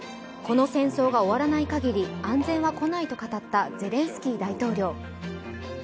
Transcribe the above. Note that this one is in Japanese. この戦争が終わらないかぎり安全は来ないと語ったゼレンスキー大統領。